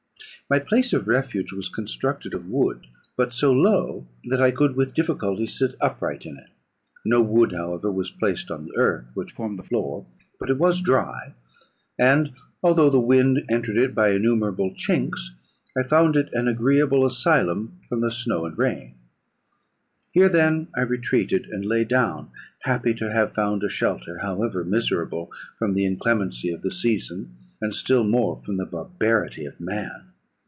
My place of refuge was constructed of wood, but so low, that I could with difficulty sit upright in it. No wood, however, was placed on the earth, which formed the floor, but it was dry; and although the wind entered it by innumerable chinks, I found it an agreeable asylum from the snow and rain. "Here then I retreated, and lay down happy to have found a shelter, however miserable, from the inclemency of the season, and still more from the barbarity of man.